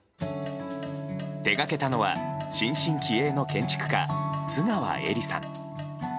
手がけたのは、新進気鋭の建築家津川恵理さん。